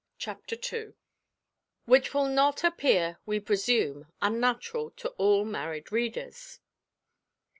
Chapter ii. _Which will not appear, we presume, unnatural to all married readers.